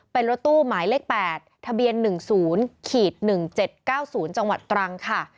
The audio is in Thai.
เป็นรถตู้หมายเลข๘ทะเบียน๑๐๑๗๙๐จังหวัดตรังค่ะ